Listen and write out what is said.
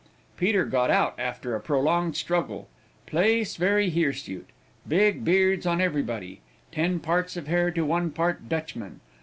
Peter got out after a prolonged struggle; place very hirsute; big beards on everybody; ten parts of hair to one part Dutchman.